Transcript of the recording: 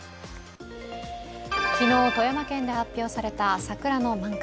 昨日、富山県で発表された桜の満開。